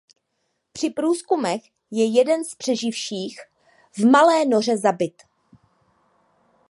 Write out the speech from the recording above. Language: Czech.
Při průzkumech je jeden z přeživších v malé noře zabit.